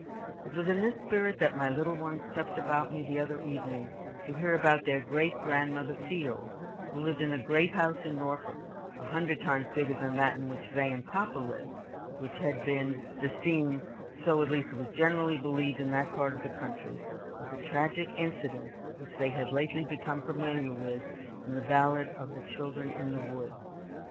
It was in this spirit that my little ones crept about me the other evening to hear about their great grandmother Field, who lived in a great house in Norfolk (a hundred times bigger than that in which they and papa lived) which had been the scene so at least it was generally believed in that part of the country of the tragic incidents which they had lately become familiar with from the ballad of the Children in the Wood.